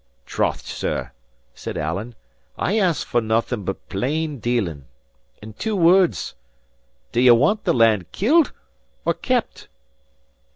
"Troth, sir," said Alan, "I ask for nothing but plain dealing. In two words: do ye want the lad killed or kept?"